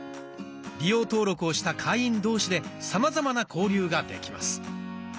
利用登録をした会員同士でさまざまな交流ができます。